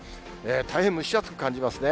大変蒸し暑く感じますね。